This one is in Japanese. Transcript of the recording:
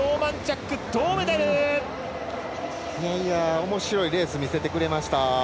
おもしろいレース見せてくれました。